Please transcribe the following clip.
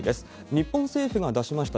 日本政府が出しました